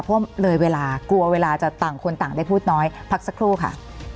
เพราะเลยเวลากลัวเวลาจะต่างคนต่างได้พูดน้อยพักสักครู่ค่ะ